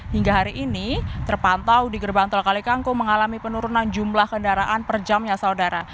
hingga hari ini terpantau di gerbang tol kalikangkung mengalami penurunan jumlah kendaraan per jamnya saudara